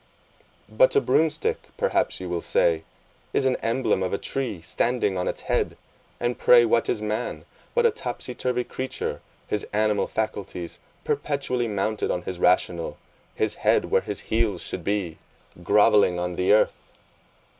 But a broom stick, perhaps you will say, is an emblem of a tree standing on its head; and pray what is man, but a topsy turvy creature, his animal faculties perpetually mounted on his rational, his head where his heels should be, grovelling on the earth!